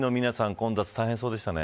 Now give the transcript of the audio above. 混雑大変そうでしたね。